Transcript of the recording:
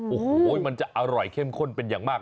โอ้โหมันจะอร่อยเข้มข้นเป็นอย่างมาก